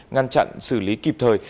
ngăn chặn xử lý kịp thời